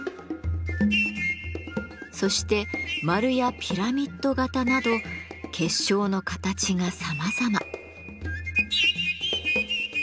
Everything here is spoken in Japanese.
そして丸やピラミッド形など結晶の形がさまざま。